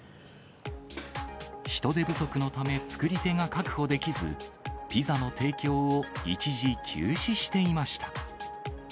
人手不足のため作り手が確保できず、ピザの提供を一時休止していました。